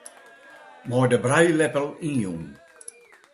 Mei de brijleppel ynjûn.